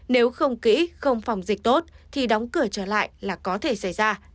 nếu không kỹ không phòng dịch tốt thì đóng cửa trở lại là có thể xảy ra